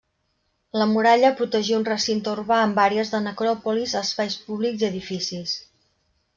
La muralla protegia un recinte urbà amb àrees de necròpolis, espais públics i edificis.